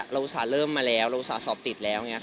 อุตส่าห์เริ่มมาแล้วเราอุตส่าหอบติดแล้ว